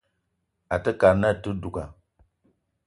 Àte kad na àte duga